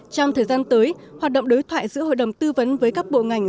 trong thời gian tới hoạt động đối thoại giữa hội đồng tư vấn với các bộ ngành